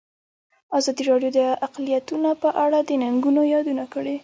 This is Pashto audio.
ازادي راډیو د اقلیتونه په اړه د ننګونو یادونه کړې.